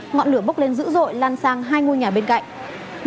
ngọn lửa bốc lên dữ dội lan sang hai ngôi nhà bên cạnh